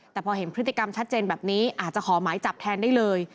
แต่พอเห็นพฤติกรรมชัดเจนแบบนี้อาจจะขอหมายจับแทนได้เลย